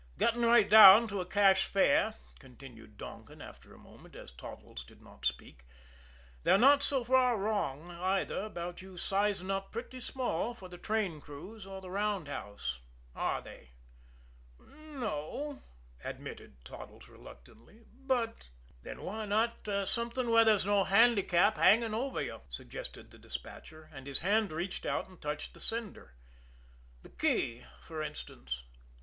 "Getting right down to a cash fare," continued Donkin, after a moment, as Toddles did not speak, "they're not so far wrong, either, about you sizing up pretty small for the train crews or the roundhouse, are they?" "No o," admitted Toddles reluctantly; "but " "Then why not something where there's no handicap hanging over you?" suggested the despatcher and his hand reached out and touched the sender. "The key, for instance?"